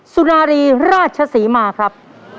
สุนารีราชศรีมาครับ